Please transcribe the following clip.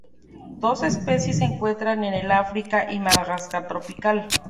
Dos especies se encuentran en el África y Madagascar tropical.